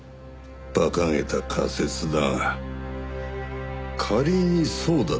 馬鹿げた仮説だが仮にそうだとしよう。